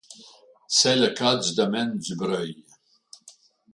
C'est le cas du domaine du Breuil.